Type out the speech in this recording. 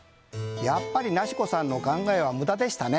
やっぱりなしこさんの考えは無駄でしたね。